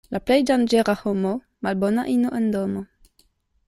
La plej danĝera homo — malbona ino en domo.